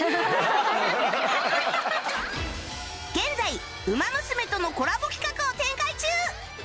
現在『ウマ娘』とのコラボ企画を展開中！